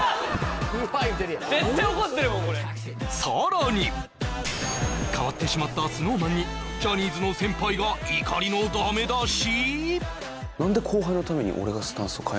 言うてるやんさらに変わってしまったＳｎｏｗＭａｎにジャニーズの先輩が怒りのダメ出し！？